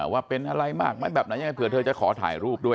ว่าเป็นอะไรมากไหมแบบไหนยังไงเผื่อเธอจะขอถ่ายรูปด้วย